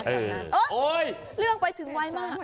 เอ๊ะเรื่องไปถึงวัยมาก